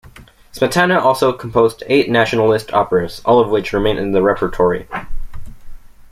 Smetana also composed eight nationalist operas, all of which remain in the repertory.